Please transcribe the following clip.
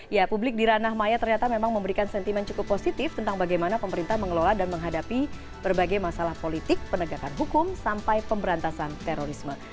ya publik di ranah maya ternyata memang memberikan sentimen cukup positif tentang bagaimana pemerintah mengelola dan menghadapi berbagai masalah politik penegakan hukum sampai pemberantasan terorisme